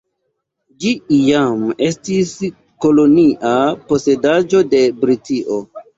Ĝi iam estis kolonia posedaĵo de Britio.